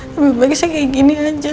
lebih baik saya kayak gini aja